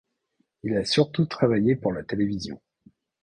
Il a surtout travaillé pour la télévision.